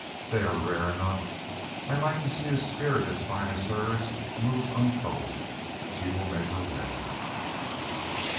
"They are rare enough. I like to see a spirit as fine as hers move untroubled. She will make her way."